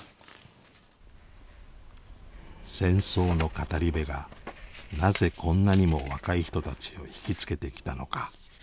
戦争の語り部がなぜこんなにも若い人たちを引き付けてきたのか。